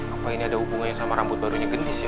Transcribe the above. apa ini ada hubungannya sama rambut barunya gendis ya